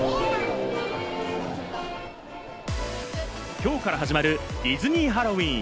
きょうから始まるディズニー・ハロウィーン。